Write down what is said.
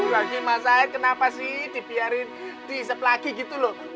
lagi mas zahid kenapa sih dipiarin di isap lagi gitu loh